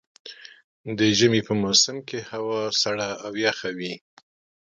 د ژمي په موسم کې هوا سړه او يخه وي.